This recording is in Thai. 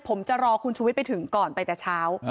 ผมจะรอคุณชุวิตไปถึงก่อนไปแต่เช้า